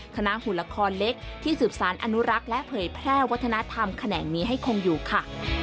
หุ่นละครเล็กที่สืบสารอนุรักษ์และเผยแพร่วัฒนธรรมแขนงนี้ให้คงอยู่ค่ะ